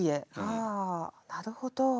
あなるほど。